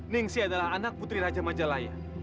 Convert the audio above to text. ningsi adalah anak putri raja majalaya